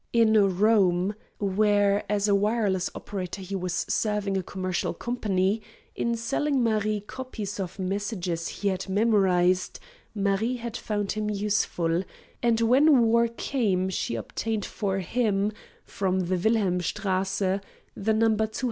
In Rome, where as a wireless operator he was serving a commercial company, in selling Marie copies of messages he had memorized, Marie had found him useful, and when war came she obtained for him, from the Wilhelmstrasse, the number 292.